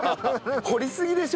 掘りすぎでしょ？